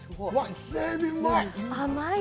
イセエビ、うまい！